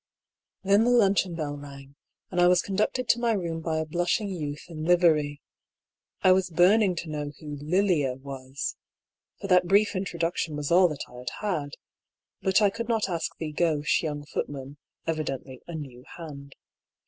Then the luncheon bell rang, and I was conducted to my room by a blushing youth in livery. I was burn ing to know who " Lilia " was — ^f or that brief introduc tion was all that I had had — but I could not ask the gauche young footman (evidently a " new hand